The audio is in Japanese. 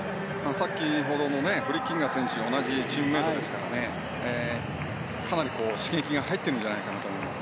先ほどのフリッキンガー選手とチームメートですからかなり刺激が入っているんじゃないかと思います。